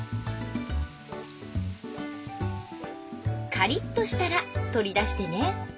カリッとしたら取り出してね。